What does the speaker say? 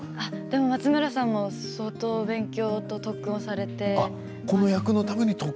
松村さんも相当、勉強と特訓をされて。